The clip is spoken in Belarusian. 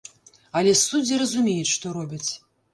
Але суддзі разумеюць, што робяць.